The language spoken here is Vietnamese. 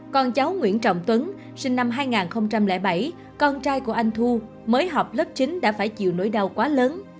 con cháu nguyễn trọng tuấn sinh năm hai nghìn bảy con trai của anh thu mới học lớp chín đã phải chịu nỗi đau quá lớn